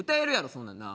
そんなんなあ。